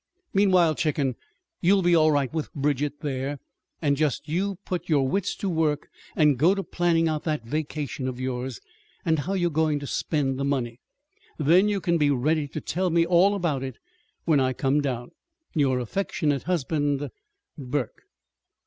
Meanwhile, chicken, you'll be all right with Bridget there; and just you put your wits to work and go to planning out that vacation of yours, and how you're going to spend the money. Then you can be ready to tell me all about it when I come down. Your affectionate husband, BURKE.